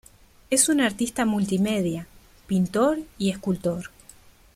Es un artista multimedia, pintor y escultor.